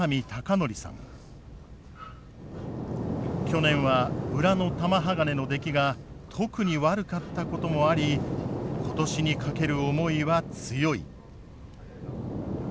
去年は裏の玉鋼の出来が特に悪かったこともあり今年にかける思いは強い。